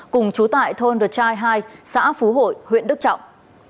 cùng chú tại thôn the child hai xã phú hội huyện đức trọng